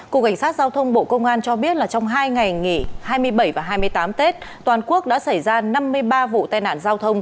cục cảnh sát giao thông bộ công an cho biết là trong hai ngày nghỉ hai mươi bảy và hai mươi tám tết toàn quốc đã xảy ra năm mươi ba vụ tai nạn giao thông